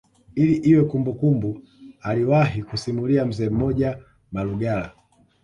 Ili iwe kumbukumbu aliwahi kusimulia mzee mmoja Malugala